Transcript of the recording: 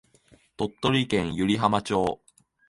鳥取県湯梨浜町